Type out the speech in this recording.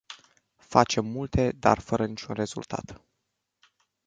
Facem multe, dar fără niciun rezultat.